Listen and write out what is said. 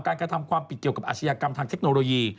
กระทำความผิดเกี่ยวกับอาชญากรรมทางเทคโนโลยี